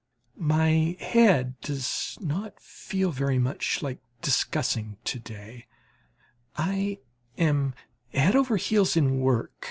My head does not feel very much like discussing to day; I am head over ears in work.